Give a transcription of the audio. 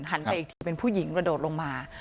ไปอีกทีเป็นผู้หญิงกระโดดลงมา